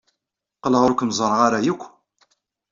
Qqleɣ ur kem-ẓerreɣ ara akk.